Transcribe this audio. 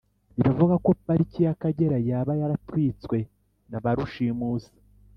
Biravugwa ko pariki yakagera yaba yatwitswe naba rushimusi